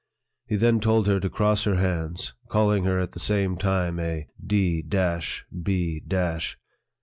He then told her to cross her hands, calling her at the same time a d d b h.